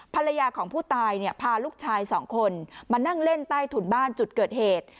ภรรยาของผู้ตายเนี่ยพาลูกชายสองคนมานั่งเล่นใต้ถุนบ้านจุดเกิดเหตุ